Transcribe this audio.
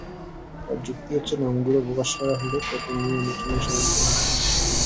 তাঁর যুক্তি হচ্ছে নামগুলো প্রকাশ করা হলে তাঁদের নিয়ে আলোচনা-সমালোচনা হবে।